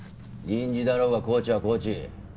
臨時だろうがコーチはコーチ。